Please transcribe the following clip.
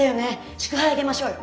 祝杯挙げましょうよ。